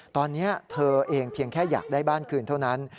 ตอนนี้เธอเองเพียงแค่อยากได้บ้านคืนเท่านั้น